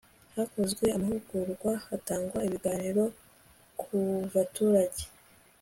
hakozwe amahugurwa, hatangwa ibiganiro ku baturage